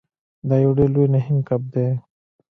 دا یو ډیر لوی نهنګ کب دی.